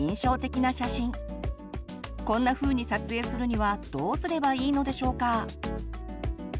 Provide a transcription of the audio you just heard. こんなふうに撮影するにはどうすればいいのでしょうか？